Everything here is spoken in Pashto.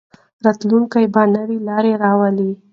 راتلونکی به نوې لارې راولي.